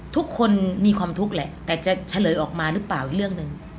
ทุกคนมีความทุกข์แหละแต่จะเฉลยออกมาหรือเปล่าอีกเรื่องหนึ่ง